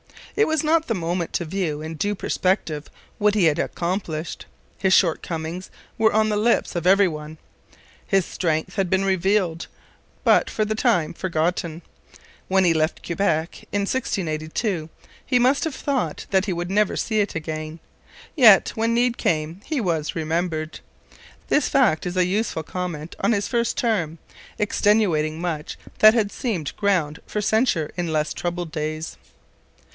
It was not the moment to view in due perspective what he had accomplished. His shortcomings were on the lips of every one. His strength had been revealed, but was for the time forgotten. When he left Quebec in 1682 he must have thought that he would never see it again. Yet when need came he was remembered. This fact is a useful comment on his first term, extenuating much that had seemed ground for censure in less troubled days.